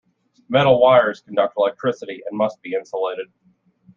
Metal wires conduct electricity and must be insulated.